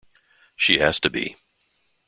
She has to be.